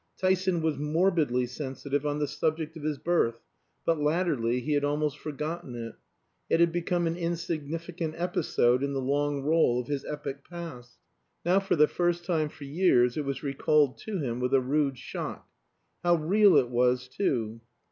Tyson was morbidly sensitive on the subject of his birth, but latterly he had almost forgotten it. It had become an insignificant episode in the long roll of his epic past. Now for the first time for years it was recalled to him with a rude shock. How real it was too!